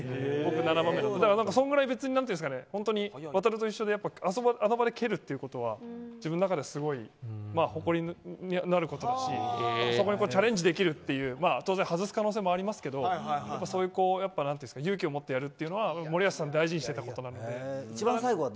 だからそれぐらい何というか航と一緒であの場で蹴るというのは自分の中ではすごい誇りになることですしそこにチャレンジできるという当然外す可能性もありますけどそういう勇気を持ってやるというのは森保さん大事にしていたことなので。